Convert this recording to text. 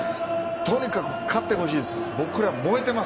とにかく勝ってほしいです。